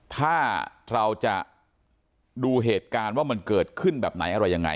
ถ้าเราจะดูเหตุการณ์ว่ามันเกิดขึ้นแบบไหนอะไรยังไง